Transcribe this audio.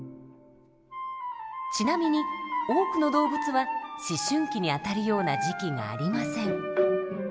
ちなみに多くの動物は思春期にあたるような時期がありません。